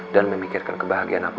dan memikirkan kebahagiaan aku